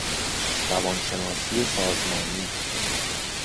روان شناسی سازمانی